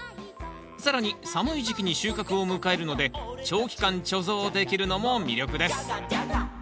更に寒い時期に収穫を迎えるので長期間貯蔵できるのも魅力です。